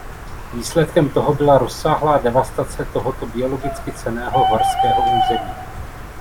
Výsledkem toho byla rozsáhlá devastace tohoto biologicky cenného horského území.